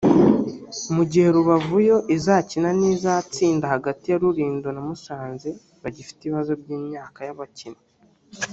Mu gihe Rubavu yo izakina n’izatsinda hagati ya Rulindo na Musanze bagifite ibibazo by’imyaka y’abakinnyi